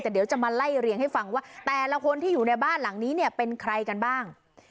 หรือจะมาไล่เรียงให้ฟังว่าแต่ละคนที่อยู่ในบ้านหลังนี้เป็นใครกันบ้าง